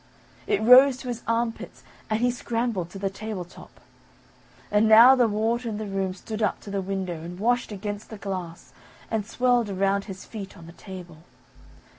It rose to his armpits, and he scrambled to the table top. And now the water in the room stood up to the window and washed against the glass, and swirled around his feet on the table.